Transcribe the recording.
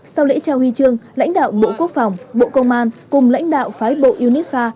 sau lễ trao huy chương lãnh đạo bộ quốc phòng bộ công an cùng lãnh đạo phái bộ unisha